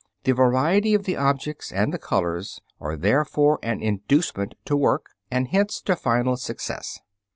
The variety of the objects and the colors are therefore an inducement to work and hence to final success.